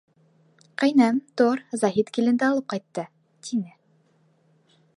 — Ҡәйнәм, тор, Заһит киленде алып ҡайтты, — тине.